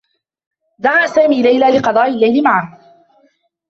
دعى سامي ليلى لقضاء اللّيل معه.